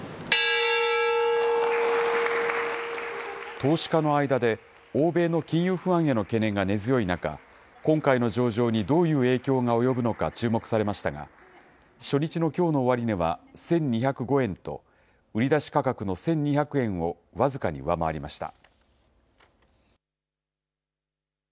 投資家の間で、欧米の金融不安への懸念が根強い中、今回の上場にどういう影響が及ぶのか注目されましたが、初日のきょうの終値は１２０５円と、売り出し価格の１２００円を僅かに上回りました。